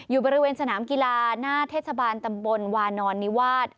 อยู่บริเวณสนามกีฬาหน้าเทศบาลตำบลวานอนนิวาส